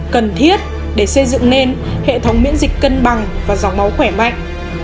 cần thiết để xây dựng nên hệ thống miễn dịch cân bằng và dòng máu khỏe mạnh